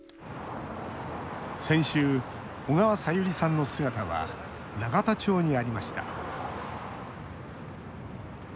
先週、小川さゆりさんの姿は永田町にありました。